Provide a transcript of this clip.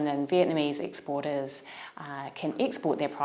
nhưng cũng là năng lực cao